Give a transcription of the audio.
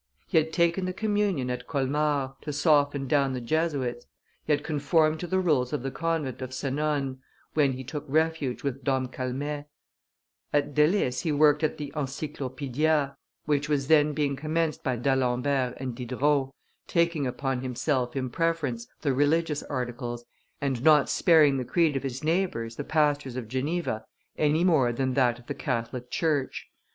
He had taken the communion at Colmar, to soften down the Jesuits; he had conformed to the rules of the convent of Senones, when he took refuge with Dom Calmet; at Delices he worked at the Encyclopcedia, which was then being commenced by D'Alembert and Diderot, taking upon himself in preference the religious articles, and not sparing the creed of his neighbors, the pastors of Geneva, any more than that of the Catholic church.